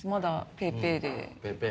ペーペー。